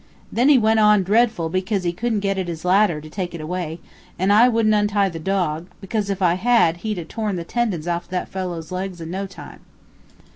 Then he went on dreadful because he couldn't get at his ladder to take it away; and I wouldn't untie the dog, because if I had he'd 'a' torn the tendons out of that fellow's legs in no time.